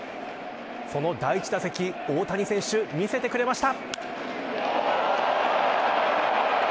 その第１打席、大谷選手見せてくれました。